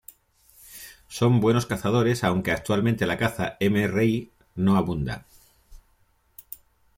Son buenos cazadores aunque actualmente la caza "mri" no abunda.